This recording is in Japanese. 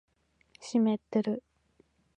湿ってる